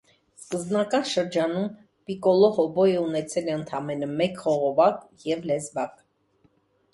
Սկզբնական շրջանում պիկոլո հոբոյը ունեցել է ընդամենը մեկ խողովակ և լեզվակ։